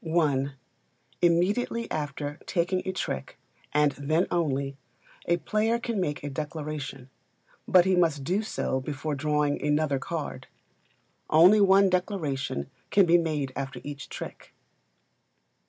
i. Immediately after taking a trick, and then only, a player can make a Declaration; but he must do so before drawing another card. Only one Declaration can be made after each trick.